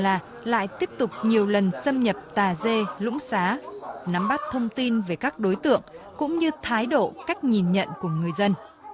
công an sơn la lại tiếp tục nhiều lần xâm nhập tà dê lũng xá nắm bắt thông tin về các đối tượng cũng như thái độ cách nhìn nhận của người dân